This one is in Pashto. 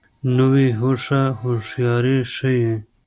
نوې هوښه هوښیاري ښیي